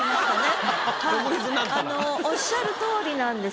おっしゃる通りなんです。